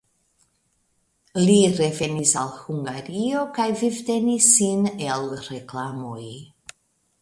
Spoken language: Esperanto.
Li revenis al Hungario kaj vivtenis sin el reklamoj.